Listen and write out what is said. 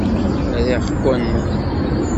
Riɣ-ken.